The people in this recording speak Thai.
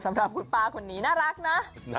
สำหรับคุณป้าคนนี้น่ารักนะ